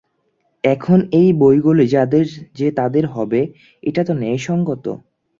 এখন বইগুলি যে তাঁদের হবে, এটা তো ন্যায়সঙ্গত।